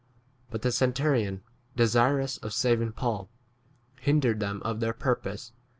But the centurion, desirous of saving Paul, hindered them of their purpose, and 1 T.